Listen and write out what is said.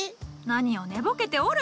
何を寝ぼけておる。